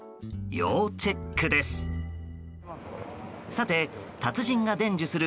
要チェックです。